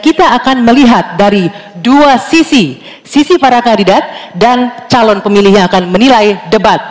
kita akan melihat dari dua sisi sisi para kandidat dan calon pemilih yang akan menilai debat